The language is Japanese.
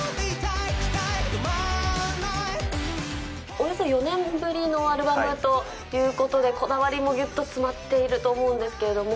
およそ４年ぶりのアルバムということで、こだわりもぎゅっと詰まっていると思うんですけれども。